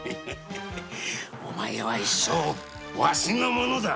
お前は一生ワシのものだ。